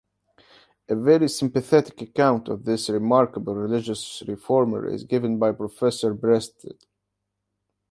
A very sympathetic account of this remarkable religious reformer is given by Professor Breasted.